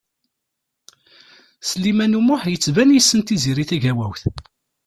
Sliman U Muḥ yettban yessen Tiziri Tagawawt.